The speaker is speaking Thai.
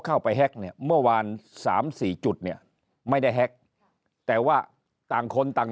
เข้าไปแฮ็กเนี่ยเมื่อวานสามสี่จุดเนี่ยไม่ได้แฮ็กแต่ว่าต่างคนต่าง